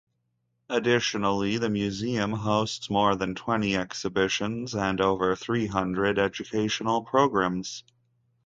Annually, the museum hosts more than twenty exhibitions and over three hundred educational programs.